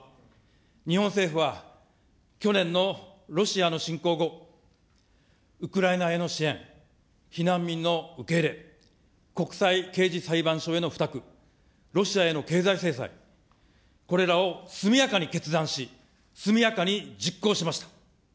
日本政府は、去年のロシアの侵攻後、ウクライナへの支援、避難民の受け入れ、国際刑事裁判所への付託、ロシアへの経済制裁、これらを速やかに決断し、速やかに実行しました。